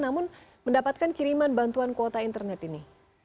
namun mendapatkan kiriman bantuan kuota internet ini